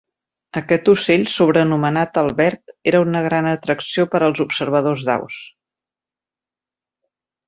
Aquest ocell, sobrenomenat "Albert", era una gran atracció per als observadors d'aus.